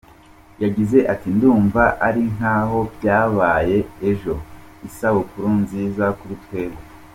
Yagize ati “Ndumva ari nk’aho byabaye ejo, isabukuru nziza kuri twebwe.